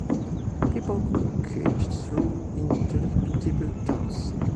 People communicate through interpretive dance.